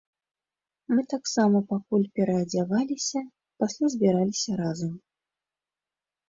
Мы таксама пакуль пераадзяваліся, пасля збіраліся разам.